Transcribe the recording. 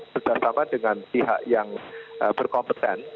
bersama dengan pihak yang berkompetensi